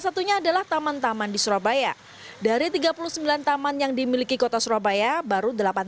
satunya adalah taman taman di surabaya dari tiga puluh sembilan taman yang dimiliki kota surabaya baru delapan